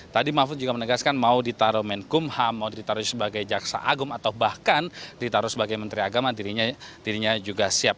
tadi mahfud juga menegaskan mau ditaruh menkumham mau ditaruh sebagai jaksa agung atau bahkan ditaruh sebagai menteri agama dirinya juga siap